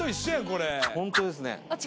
これホントですねあっ